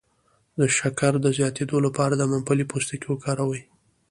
د شکر د زیاتیدو لپاره د ممپلی پوستکی وکاروئ